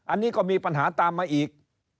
อันนี้ก็มีปัญหาตามมาอีก